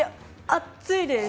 厚いです！